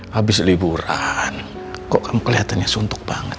habis liburan kok kamu kelihatannya suntuk banget